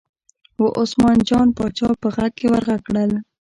وه عثمان جان پاچا په غږ یې ور غږ کړل.